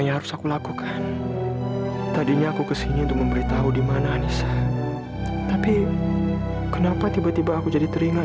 ya allah kayaknya aku udah aku kuat lagi